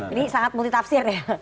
ini sangat multi tafsir ya